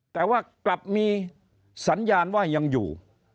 แต่ว่ากลับมีสัญญาณว่ายังอยู่